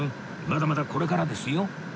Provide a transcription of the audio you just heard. まだまだこれからですよ！